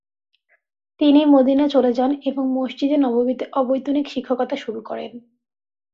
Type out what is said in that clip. তিনি মদিনা চলে যান এবং মসজিদে নববীতে অবৈতনিক শিক্ষকতা শুরু করেন।